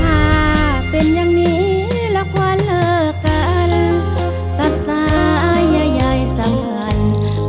ถ้าเป็นอย่างนี้ละควันละกันตัสตาใหญ่ใหญ่สังพันธ์